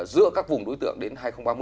giữa các vùng đối tượng đến hai nghìn ba mươi